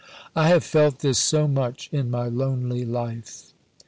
I have felt this so much in my lonely life."